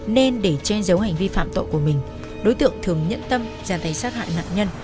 nên để che giấu hành vi phạm tội của mình đối tượng thường nhận tâm ra tay sát hại nạn nhân